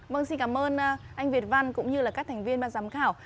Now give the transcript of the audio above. vâng xin cảm ơn anh việt văn cũng như là các thành viên ban giám khảo